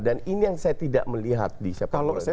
dan ini yang saya tidak melihat di sepak bola modern sekarang